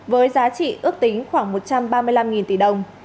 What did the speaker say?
với giá trị ước tính khoảng một trăm ba mươi năm tỷ đồng